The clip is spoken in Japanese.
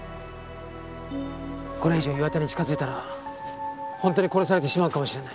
これ以上岩田に近づいたら本当に殺されてしまうかもしれない。